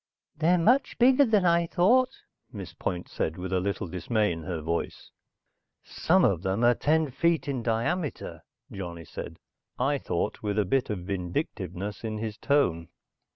"They're much bigger than I thought," Miss Point said with a little dismay in her voice. "Some of them are ten feet in diameter," Johnny said, I thought with a bit of vindictiveness in his tone.